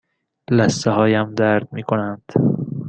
لثه هایم درد می کنند.